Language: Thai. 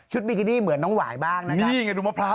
ชุดบิ๊กกีดี้เหมือนน้องหวายบ้างนะนั่นไงดูมะพร้าว